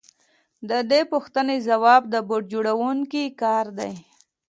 د دې پوښتنې ځواب د بوټ جوړونکي کار دی